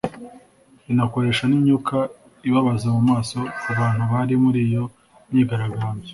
inakoresha n’imyuka ibabaza mu maso ku bantu bari mur’iyo myigaragambyo